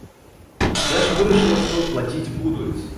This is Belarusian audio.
Даша вырашыла, што плаціць будуць.